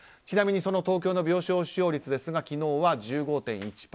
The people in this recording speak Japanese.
ちなみにその東京の病床使用率ですが昨日は１５．１％。